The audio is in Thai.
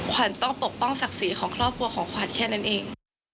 ขวัญต้องปกป้องศักดิ์ศรีของครอบครัวของขวัญแค่นั้นเอง